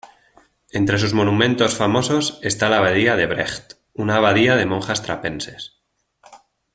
Entre sus monumentos famosos está la Abadía de Brecht, una abadía de monjas trapenses.